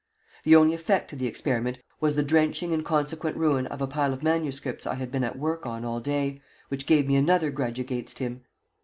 The only effect of the experiment was the drenching and consequent ruin of a pile of MSS. I had been at work on all day, which gave me another grudge against him.